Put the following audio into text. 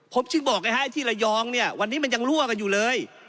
ผมจึงบอกไงฮะที่ระยองเนี่ยวันนี้มันยังรั่วกันอยู่เลย